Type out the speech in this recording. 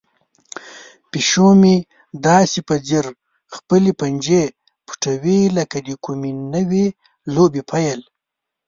پیشو مې داسې په ځیر خپلې پنجې پټوي لکه د کومې نوې لوبې پیل.